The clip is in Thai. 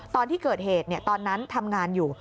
ตอนที่เกิดเหตุตอนนั้นทำงานอยู่